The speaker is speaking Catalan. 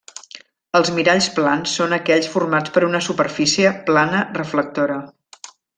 Els miralls plans són aquells formats per una superfície plana reflectora.